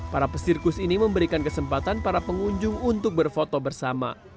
para pesirkus ini memberikan kesempatan para pengunjung untuk berfoto bersama